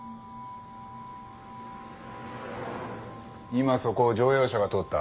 今そこを乗用車が通った。